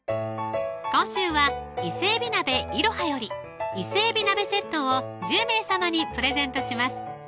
今週は伊勢海老鍋いろはより「伊勢海老鍋セット」を１０名様にプレゼントします